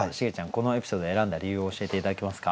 このエピソード選んだ理由を教えて頂けますか？